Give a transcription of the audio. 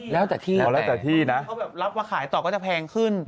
เขารับว่าขายต่อก็จะแพงขึ้น